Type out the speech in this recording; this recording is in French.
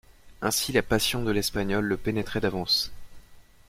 Ainsi la passion de l'espagnole le pénétrait d'avance.